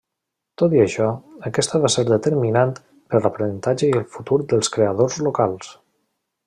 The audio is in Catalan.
Tot i això, aquesta va ser determinant per l'aprenentatge i el futur dels creadors locals.